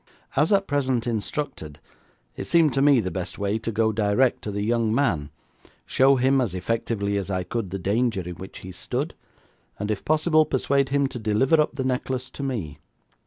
As at present instructed, it seemed to me the best way to go direct to the young man, show him as effectively as I could the danger in which he stood, and, if possible, persuade him to deliver up the necklace to me.